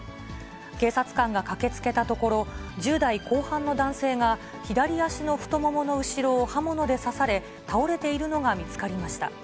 警察官が駆けつけたところ、１０代後半の男性が、左足の太ももの後ろを刃物で刺され、倒れているのが見つかりました。